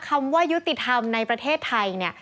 คำว่ายุติธรรมในประเทศไทยเนี่ย